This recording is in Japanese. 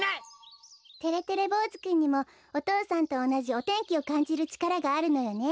てれてれぼうずくんにもお父さんとおなじお天気をかんじるちからがあるのよね。